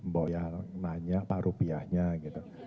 boyal nanya pak rupiahnya gitu